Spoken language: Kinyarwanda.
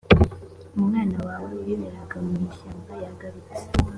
umwana wawe wiberaga mu ishyamba yagarutse